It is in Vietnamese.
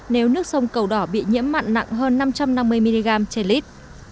nếu nước sông cầu đỏ bị nhiễm mặn nặng hơn năm trăm năm mươi mg trên lít